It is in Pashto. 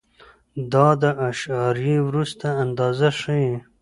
دا د اعشاریې وروسته اندازه ښیي.